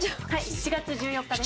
７月１４日です。